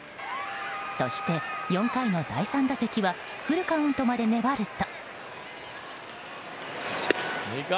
そして４回の第３打席はフルカウントまで粘ると。